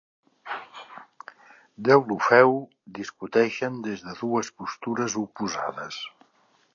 Deulofeu discuteixen des de dues postures oposades.